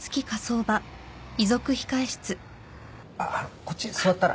こっち座ったら？